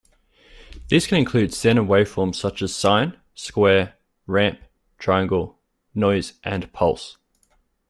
These can include standard waveforms such as sine, square, ramp, triangle, noise and pulse.